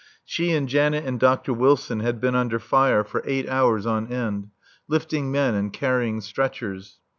She and Janet and Dr. Wilson had been under fire for eight hours on end, lifting men and carrying stretchers.